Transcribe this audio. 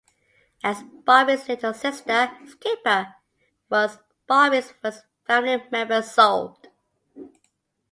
As Barbie's little sister, Skipper was Barbie's first family member sold.